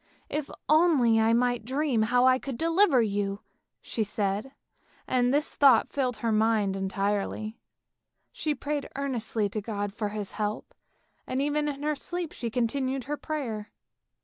" If only I might dream how I could deliver you," she said, and this thought filled her mind entirely. She prayed earnestly to God for His help, and even in her sleep she continued her prayer.